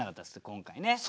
今回ね。